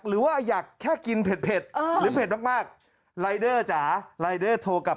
หรือว่าอยากแค่กินเผ็ด